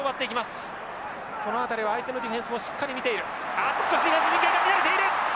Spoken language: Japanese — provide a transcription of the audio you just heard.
あっとしかしディフェンス陣形が乱れている！